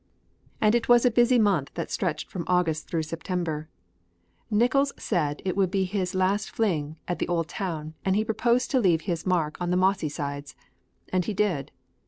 And it was a busy month that stretched from August through September. Nickols said it would be his last fling at the old town and he proposed to leave his mark on its mossy sides. And he did.